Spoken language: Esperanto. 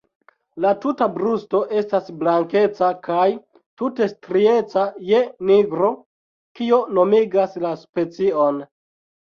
La tuta brusto estas blankeca kaj tute strieca je nigro, kio nomigas la specion.